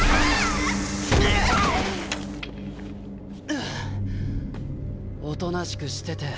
んぁっおとなしくしてて。